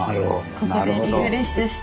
ここでリフレッシュして。